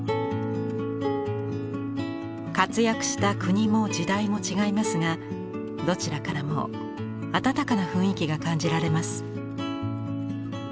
活躍した国も時代も違いますがどちらからも温かな雰囲気が感じられます。